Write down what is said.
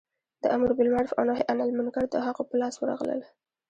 د امر بالمعروف او نهې عن المنکر د هغو په لاس ورغلل.